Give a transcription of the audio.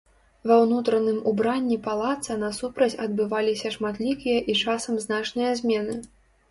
Ва ўнутраным убранні палаца насупраць адбываліся шматлікія і часам значныя змены.